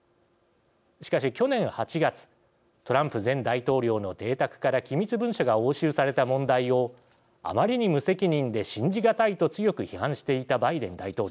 しかし、去年８月トランプ前大統領の邸宅から機密文書が押収された問題をあまりに無責任で信じがたいと強く批判していたバイデン大統領。